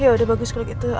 ya udah bagus kalau gitu